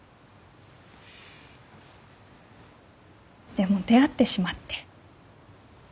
でも出会ってしまって。